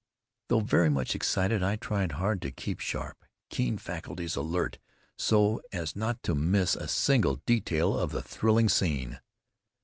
Though very much excited, I tried hard to keep sharp, keen faculties alert so as not to miss a single detail of the thrilling scene.